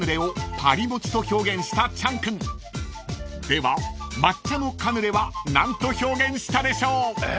［では抹茶のカヌレは何と表現したでしょう？］